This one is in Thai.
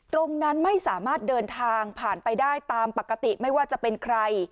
ตรงนั้นไม่สามารถเดินทางผ่านไปได้ตามปกติไม่ว่าจะเป็นใคร